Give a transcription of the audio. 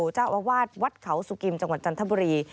เจ้าอาวาสวัดเขาสุกิมจังหวัดจันทบุรี